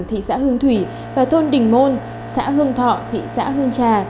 thị xã hương thủy và thôn đình môn xã hương thọ thị xã hương trà